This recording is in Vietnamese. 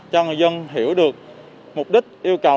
cho người dân hiểu được mục đích yêu cầu